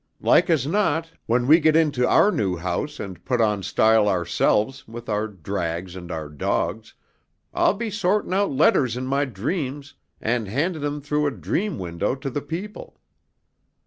Like as not, when we get into our new house and put on style ourselves with our drags and our dogs, I'll be sortin' out letters in my dreams and handin' them through a dream window to the people.